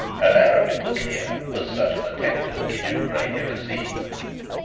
'And, Arabin, look here; was such an attempt at a kitchen grate ever seen?'